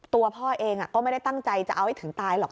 ตัวพ่อเองก็ไม่ได้ตั้งใจจะเอาให้ถึงตายหรอก